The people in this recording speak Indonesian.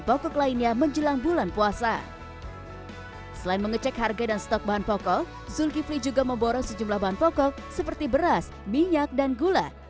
pak menjelang ramadan ini sendiri seperti apa